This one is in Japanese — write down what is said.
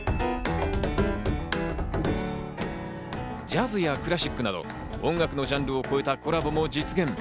ジャズやクラシックなど、音楽のジャンルを超えたコラボも実現。